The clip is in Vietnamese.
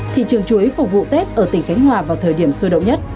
thị trường chuối phục vụ tết ở tỉnh khánh hòa vào thời điểm sôi động nhất